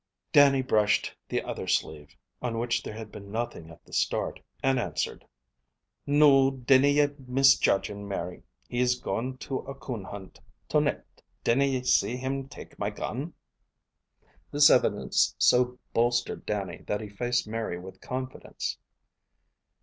Dannie brushed the other sleeve, on which there had been nothing at the start, and answered: "Noo, dinna ye misjudge him, Mary. He's goin' to a coon hunt to nicht. Dinna ye see him take my gun?" This evidence so bolstered Dannie that he faced Mary with confidence.